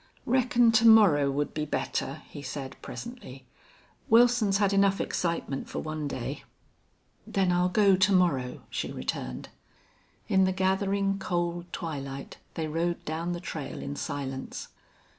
"Reckon to morrow would be better," he said, presently. "Wilson's had enough excitement for one day." "Then I'll go to morrow," she returned. In the gathering, cold twilight they rode down the trail in silence.